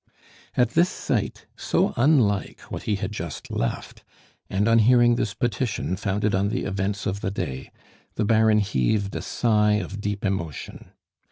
At this sight, so unlike what he had just left, and on hearing this petition founded on the events of the day, the Baron heaved a sigh of deep emotion.